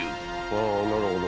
ああなるほど！